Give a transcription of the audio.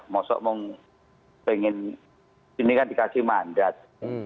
maksud saya pengen ini kan dikasih mandat